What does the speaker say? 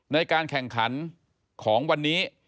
ในการแข่งขันของวันนี้